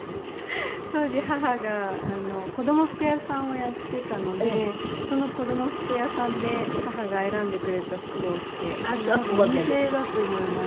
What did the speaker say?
当時母が子供服屋さんをやっていたのでその子供服屋さんで母が選んでくれた服を着てこれ多分お店だと思います。